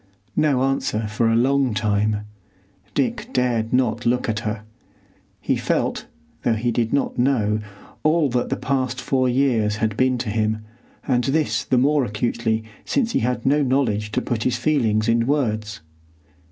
No answer for a long time. Dick dared not look at her. He felt, though he did not know, all that the past four years had been to him, and this the more acutely since he had no knowledge to put his feelings in words.